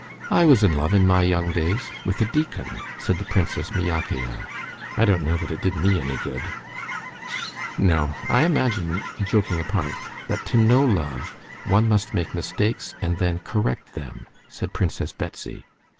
"I was in love in my young days with a deacon," said the Princess Myakaya. "I don't know that it did me any good." "No; I imagine, joking apart, that to know love, one must make mistakes and then correct them," said Princess Betsy.